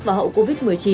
và hậu covid một mươi chín